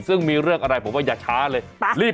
ซึ่งมีเรื่องอะไรผมว่าอย่าช้าเลย